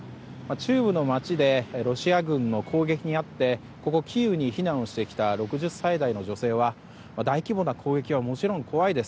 中部の街で攻撃にあってキーウに避難をしてきた６０歳代の女性は大規模な攻撃はもちろん怖いです。